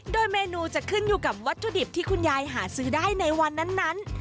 โดยเมนูจะขึ้นอยู่กับวัตถุดิบที่คุณยายหาซื้อได้ในวันนั้น